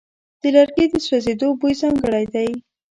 د لرګي د سوځېدو بوی ځانګړی دی.